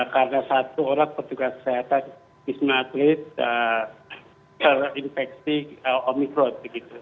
karena satu orang petugas kesehatan di sumatris terinfeksi omikron